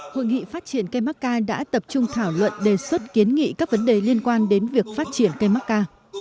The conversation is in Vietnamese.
hội nghị phát triển cây macca đã tập trung thảo luận đề xuất kiến nghị các vấn đề liên quan đến việc phát triển cây macca